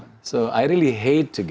jadi saya benar benar tidak suka pergi